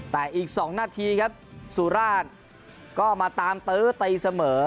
แต่อีก๒นาทีครับสุราชก็มาตามตื้อตีเสมอ